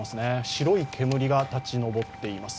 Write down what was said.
白い煙が立ち上っています。